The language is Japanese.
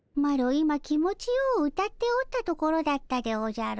今気持ちよう歌っておったところだったでおじゃる。